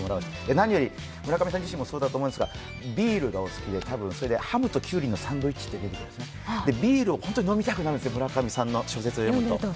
何より村上さん自身もそうだと思うんですが、ビールがお好きで、ハムときゅうりのサンドイッチが出てくるんですけどビールをホントに飲みたくなるんですよ、村上さんの小説を読むと。